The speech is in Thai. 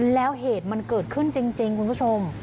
แล้วเหตุมันเกิดขึ้นจริงคุณผู้ชม